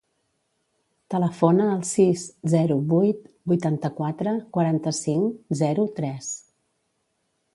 Telefona al sis, zero, vuit, vuitanta-quatre, quaranta-cinc, zero, tres.